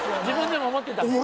自分でも思ってた？